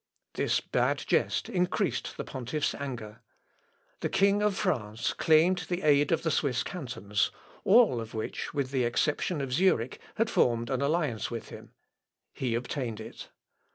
" This bad jest increased the pontiff's anger. The king of France claimed the aid of the Swiss cantons, all of which, with the exception of Zurich, had formed an alliance with him; he obtained it.